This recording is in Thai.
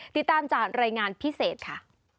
ติดตามจากรายงานพิเศษค่ะ